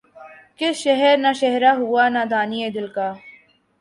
کس شہر نہ شہرہ ہوا نادانئ دل کا